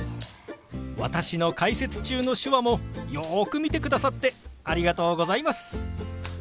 私の解説中の手話もよく見てくださってありがとうございます！